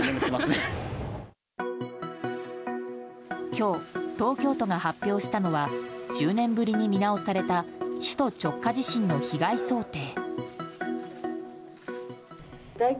今日、東京都が発表したのは１０年ぶりに見直された首都直下地震の被害想定。